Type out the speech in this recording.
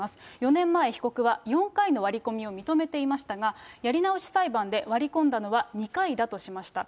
４年前、被告は４回の割り込みを認めていましたが、やり直し裁判で、割り込んだのは２回だとしました。